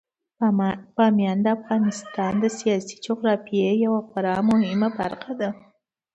بامیان د افغانستان د سیاسي جغرافیې یوه خورا مهمه برخه ده.